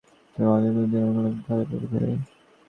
জন্ম থেকে মৃত্যু পর্যন্ত জীবনকাল একটি ধারায় প্রবাহিত হয়।